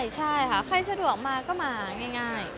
ใช่ค่ะใครสะดวกมาก็มาง่าย